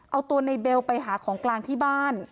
เอาตัวในเบลไปหาของกลางที่บ้าน